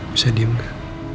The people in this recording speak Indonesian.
bisa diem gak